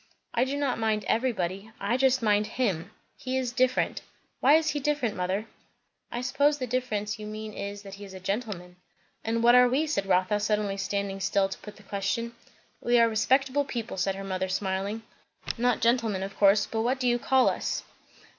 "I do not mind everybody. I just mind him. He is different. Why is he different, mother?" "I suppose the difference you mean is, that he is a gentleman." "And what are we?" said Rotha, suddenly standing still to put the question. "We are respectable people," said her mother smiling. "Not gentlemen, of course; but what do you call us?"